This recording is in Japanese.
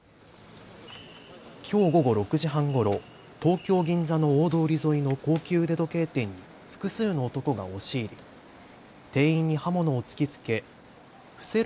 きょう午後６時半ごろ東京銀座の大通り沿いの高級腕時計店に複数の男が押し入り店員に刃物を突きつけ、伏せろ。